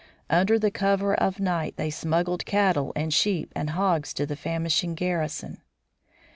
Under the cover of night they smuggled cattle and sheep and hogs to the famishing garrison.